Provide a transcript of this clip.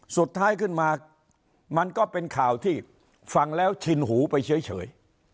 สุดท้ายขึ้นมามันก็เป็นข่าวที่ฟังแล้วชินหูไปเฉย